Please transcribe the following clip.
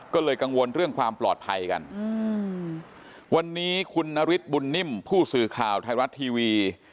ก็เลยกังวลเรื่องความปลอดภัยกันอืมวันนี้คุณนฤทธิบุญนิ่มผู้สื่อข่าวไทยรัฐทีวี